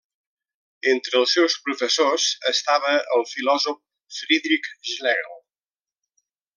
Entre els seus professors estava el filòsof Friedrich Schlegel.